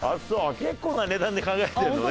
結構な値段で考えてるんだね。